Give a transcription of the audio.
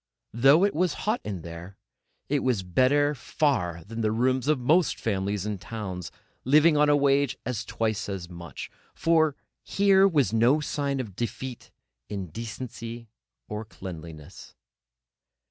Though it was hot in there, it was better far than the rooms of most families in towns, living on a wage of twice as much; for here was no sign of defeat in decency or cleanliness.